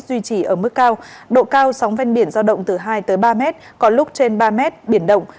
duy trì ở mức cao độ cao sóng ven biển giao động từ hai ba mét có lúc trên ba mét biển động